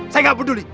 saya gak peduli